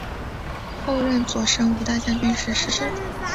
后任左神武大将军时逝世。